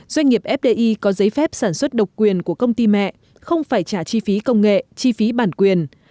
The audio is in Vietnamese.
doanh nghiệp fdi có giấy phép sản xuất độc quyền của công ty mẹ không phải trả chi phí công nghệ chi phí bản quyền